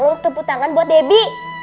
ngekeput tangan buat debi